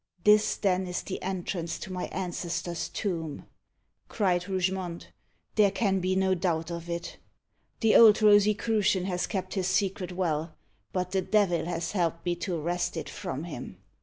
"This, then, is the entrance to my ancestor's tomb," cried Rougemont; "there can be no doubt of it. The old Rosicrucian has kept his secret well; but the devil has helped me to wrest it from him.